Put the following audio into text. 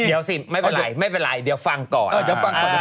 เดี๋ยวสิไม่เป็นไรเดี๋ยวฟังก่อน